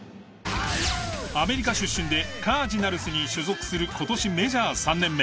アメリカ出身でカージナルスに所属する今年メジャー３年目。